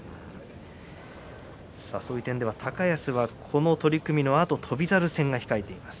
そういった点では高安はこの取組のあと翔猿戦が組まれています。